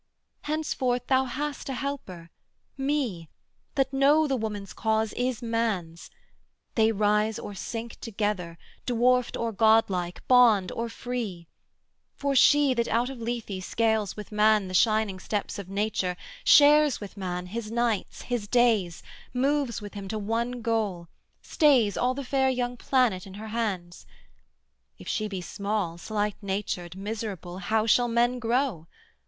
Henceforth thou hast a helper, me, that know The woman's cause is man's: they rise or sink Together, dwarfed or godlike, bond or free: For she that out of Lethe scales with man The shining steps of Nature, shares with man His nights, his days, moves with him to one goal, Stays all the fair young planet in her hands If she be small, slight natured, miserable, How shall men grow?